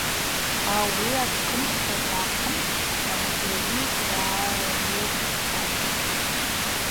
Ауи ашвхъымса дгӏахъымсскӏва, Гьари дгӏагӏвыцӏкъьатӏ.